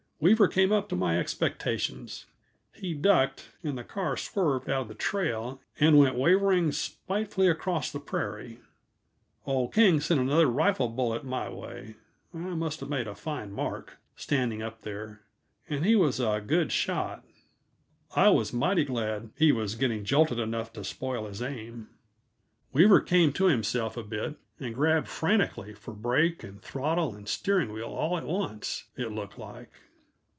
Weaver came up to my expectations. He ducked, and the car swerved out of the trail and went wavering spitefully across the prairie. Old King sent another rifle bullet my way I must have made a fine mark, standing up there and he was a good shot. I was mighty glad he was getting jolted enough to spoil his aim. Weaver came to himself a bit and grabbed frantically for brake and throttle and steering wheel all at once, it looked like.